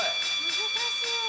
難しい。